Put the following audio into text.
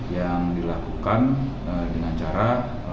yang dilakukan dengan cara